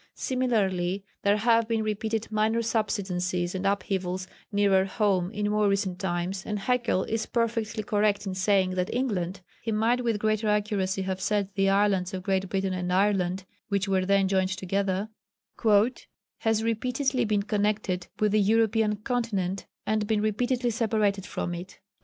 Similarly there have been repeated minor subsidences and upheavals nearer home in more recent times, and Haeckel is perfectly correct in saying that England he might with greater accuracy have said the islands of Great Britain and Ireland, which were then joined together "has repeatedly been connected with the European continent, and been repeatedly separated from it."